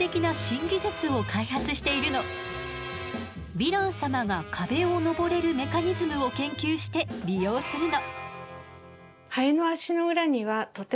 ヴィラン様が壁を登れるメカニズムを研究して利用するの。